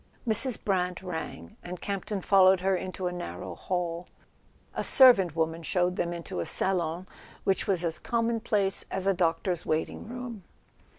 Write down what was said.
Mrs. Brant rang, and Campton followed her into a narrow hall. A servant woman showed them into a salon which was as commonplace as a doctor's wait¬ ing room.